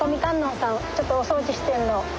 ちょっとお掃除してるの。